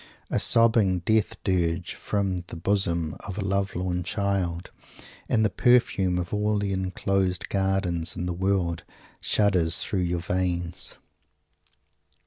A sobbing death dirge from the bosom of a love lorn child, and the perfume of all the "enclosed gardens" in the world shudders through your veins.